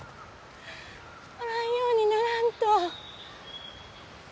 おらんようにならんと。